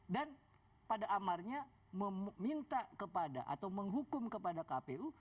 dan pada amarnya meminta kepada atau menghukum kepada kpu